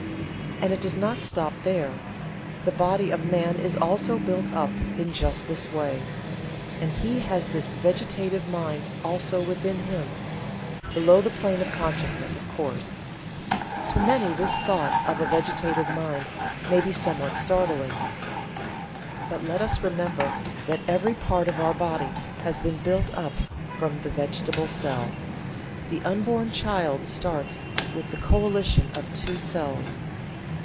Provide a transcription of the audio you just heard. And it does not stop there. The body of man is also built up in just this way, and he has this vegetative mind also within him, below the plane of consciousness, of course. To many this thought of a vegetative mind may be somewhat startling. But let us remember that every part of our body has been built up from the vegetable cell. The unborn child starts with the coalition of two cells.